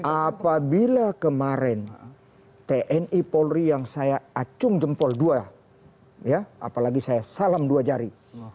apabila kemarin tni polri yang saya acung jempol dua apalagi saya salam dua jari